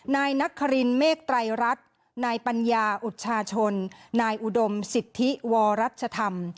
นายนครินเมฆไตรรัฐนายปัญญาอุชาชนนายอุดมสิทธิวรัชธรรม